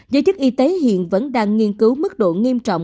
giới chức y tế hiện vẫn đang nghiên cứu mức độ nghiêm trọng